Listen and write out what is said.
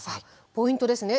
ポイントですね。